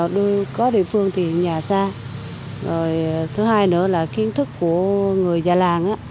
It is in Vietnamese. rồi có địa phương thì nhà xa rồi thứ hai nữa là kiến thức của người già làng